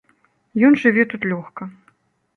Ён жыве тут лёгка.